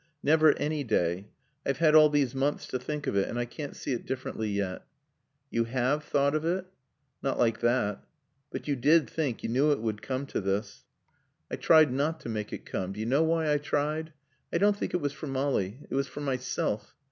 Never any day. I've had all these months to think of it and I can't see it differently yet." "You have thought of it?" "Not like that." "But you did think. You knew it would come to this." "I tried not to make it come. Do you know why I tried? I don't think it was for Molly. It was for myself.